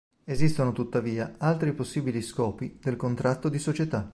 Esistono tuttavia altri possibili scopi del contratto di società.